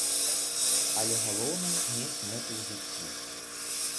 Але галоўнае мець мэту ў жыцці.